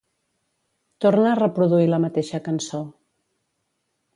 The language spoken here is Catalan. Torna a reproduir la mateixa cançó.